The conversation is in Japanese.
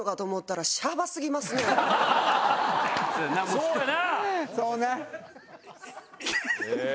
そうやな。